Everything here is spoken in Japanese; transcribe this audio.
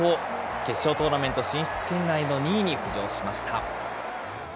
決勝トーナメント進出圏内の２位に浮上しました。